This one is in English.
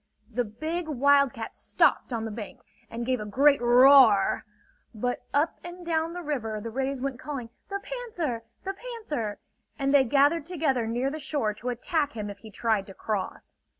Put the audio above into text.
The big wildcat stopped on the bank, and gave a great roar; but up and down the river the rays went calling; "The Panther! The Panther!" and they gathered together near the shore to attack him if he tried to cross.